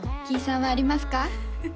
キイさんはありますか？